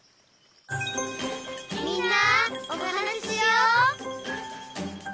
「みんなおはなししよう」